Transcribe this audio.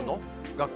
学校？